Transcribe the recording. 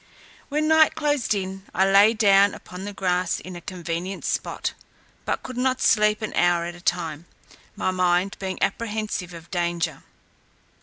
When night closed in, I lay down upon the grass in a convenient spot, but could not sleep an hour at a time, my mind being apprehensive of danger.